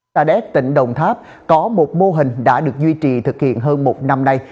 tà đét tỉnh đồng tháp có một mô hình đã được duy trì thực hiện hơn một năm nay